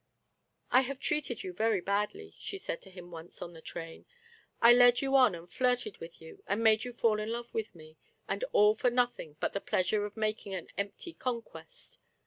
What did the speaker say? " I have treated you very badly," she said to him once on the train ;" I led you on and flirted with you, and made you fall in love with me, and all for nothing but the pleasure of making an empty conquest